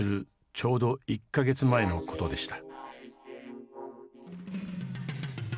ちょうど１か月前のことでした。